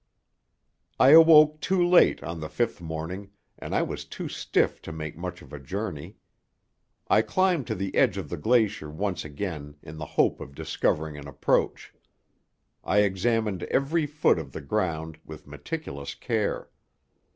I awoke too late on the fifth morning, and I was too stiff to make much of a journey. I climbed to the edge of the glacier once again in the hope of discovering an approach. I examined every foot of the ground with meticulous care.